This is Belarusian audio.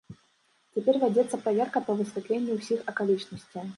Цяпер вядзецца праверка па высвятленні ўсіх акалічнасцяў.